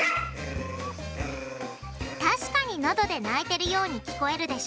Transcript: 確かにノドで鳴いてるように聞こえるでしょ？